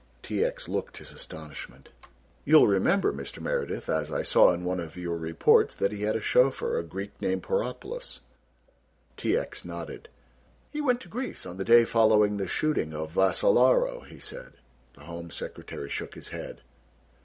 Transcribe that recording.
T. X. looked his astonishment. "You will remember, Mr. Meredith, as I saw in one of your reports, that he had a chauffeur, a Greek named Poropulos." T. X. nodded. "He went to Greece on the day following the shooting of Vassalaro," he said. The Home Secretary shook his head.